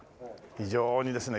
非常にですね